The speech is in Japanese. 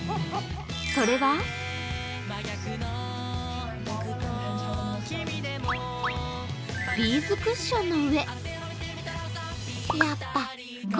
それはビーズクッションの上。